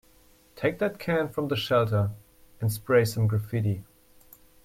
Take that can from the shelter and spray some graffiti.